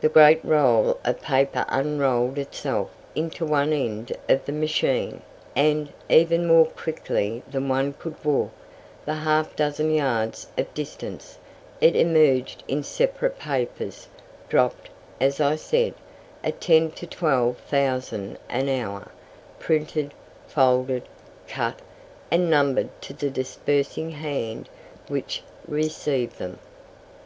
The great roll of paper unrolled itself into one end of the machine, and, even more quickly than one could walk the half dozen yards of distance, it emerged in separate papers, dropped, as I said, at ten to twelve thousand an hour, printed, folded, cut, and numbered to the dispersing hand which received them.